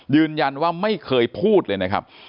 ยืนยันว่าไม่เคยพูดเลยนะครับ